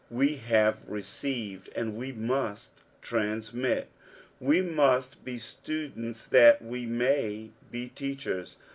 We have received and we must transmit. We must be students that we may be teachers.